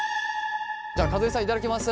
じゃあ和江さん頂きます。